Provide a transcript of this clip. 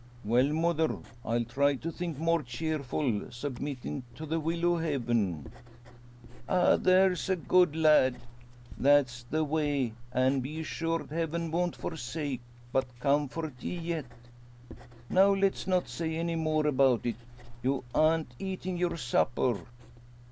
"Well, mother, I'll try to think more cheerful; submittin' to the will o' Heaven." "Ah! There's a good lad! That's the way; an' be assured Heaven won't forsake, but comfort ye yet. Now, let's not say any more about it. You an't eating your supper!"